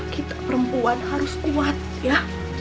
kita perempuan harus kuat ya